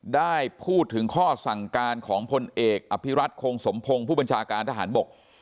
ได้พูดถึงข้อสั่งการของพลเอกอภิรัตคงสมพงศ์ผู้บัญชาการทหารบก